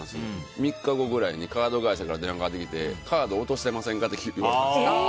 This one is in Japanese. ３日後ぐらいにカード会社から電話かかってきてカード落としてませんかって聞かれたんです。